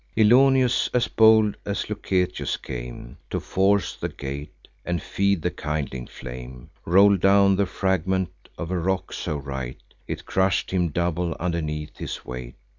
Ilioneus, as bold Lucetius came To force the gate, and feed the kindling flame, Roll'd down the fragment of a rock so right, It crush'd him double underneath the weight.